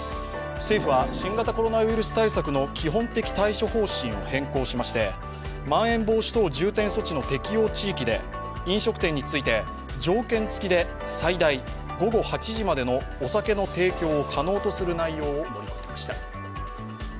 政府は新型コロナウイルス対策の基本的対処方針を変更しましてまん延防止等重点措置の適用地域で飲食店について、条件付きで、最大午後８時までお酒の提供を可能とする内容を盛り込みました。